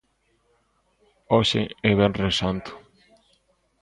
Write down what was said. Hoxe é Venres Santo.